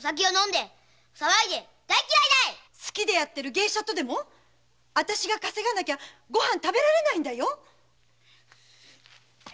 大嫌いだい好きでやってる芸者とでもあたしが稼がなきゃ御飯食べられないんだよ